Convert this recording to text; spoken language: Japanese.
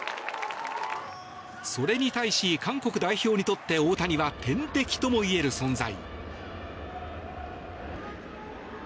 それに対し、韓国代表にとって大谷は天敵ともいえる存在。